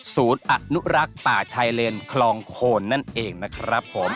อนุรักษ์ป่าชายเลนคลองโคนนั่นเองนะครับผม